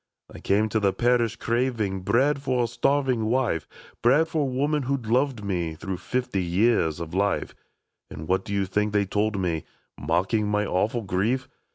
I came to the parish, craving Bread for a starving wife, Bread for the woman who 'd loved me Through fifty years of life ; 12 THE DAG ONE T BALLADS. And what do you think they told me, Mocking my awful grief?